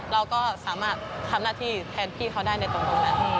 เราก็สามารถทำหน้าที่แทนพี่เขาได้ในตรงนั้น